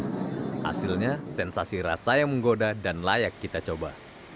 hasilnya sensasi rasa yang menggoda dan layak kita coba